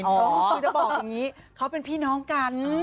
คือจะบอกอย่างนี้เขาเป็นพี่น้องกัน